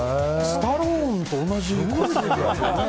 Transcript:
スタローンと同じ。